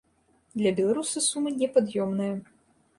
Для беларуса сума непад'ёмная.